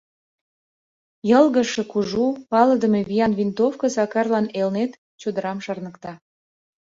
Йылгыжше, кужу, палыдыме виян винтовко Сакарлан Элнет чодырам шарныкта.